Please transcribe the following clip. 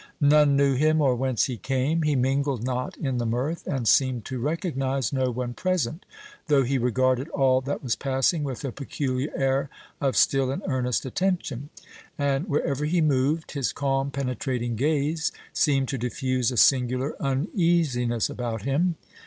None knew him, or whence he came. He mingled not in the mirth, and seemed to recognize no one present, though he regarded all that was passing with a peculiar air of still and earnest attention; and wherever he moved, his calm, penetrating gaze seemed to diffuse a singular uneasiness about him.